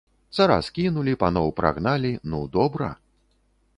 Цара скінулі, паноў прагналі, ну, добра.